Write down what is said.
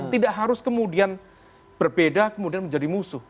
tidak harus kemudian berbeda kemudian menjadi musuh